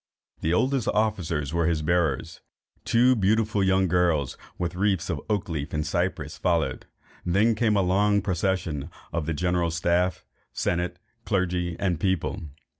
The oldest officers were his bearers; two beautiful young girls with wreathes of oak leaves and cypress followed, and then came a long procession of the general staff, senate, clergy, and people.